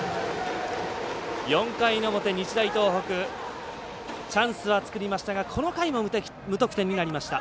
４回の表、日大東北チャンスは作りましたがこの回も無得点になりました。